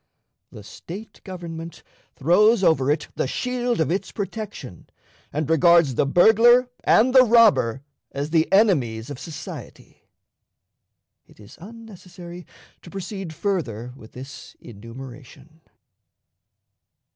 The State government throws over it the shield of its protection, and regards the burglar and the robber as the enemies of society. It is unnecessary to proceed further with this enumeration.